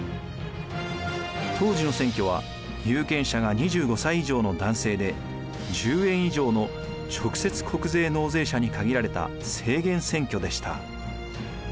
当時の選挙は有権者が２５歳以上の男性で１０円以上の直接国税納税者に限られた制限選挙でした。